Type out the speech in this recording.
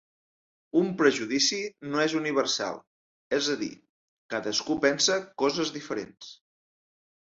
Un prejudici no és universal, és a dir, cadascú pensa coses diferents.